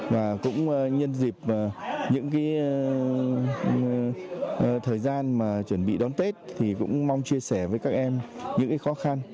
và cũng nhân dịp những thời gian mà chuẩn bị đón tết thì cũng mong chia sẻ với các em những khó khăn